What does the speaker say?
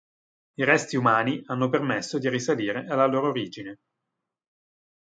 I resti umani hanno permesso di risalire alla loro origine.